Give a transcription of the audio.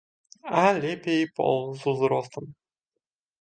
А лепей і пол з узростам.